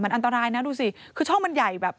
อันตรายนะดูสิคือช่องมันใหญ่แบบ